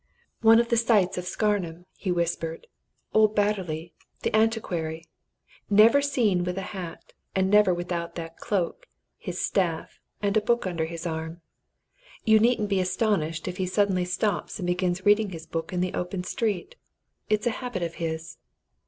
"One of the sights of Scarnham!" he whispered. "Old Batterley, the antiquary. Never seen with a hat, and never without that cloak, his staff, and a book under his arm. You needn't be astonished if he suddenly stops and begins reading his book in the open street it's a habit of his."